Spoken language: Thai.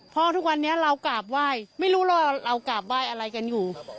เพราะทุกวันนี้เรากราบไหว้ไม่รู้แล้วว่าเรากราบไหว้อะไรกันอยู่